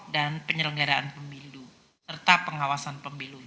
dan penyelenggaraan pemilu serta pengawasan pemilu